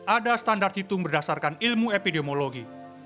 ada standar hitung berdasarkan ilmu epidemiologi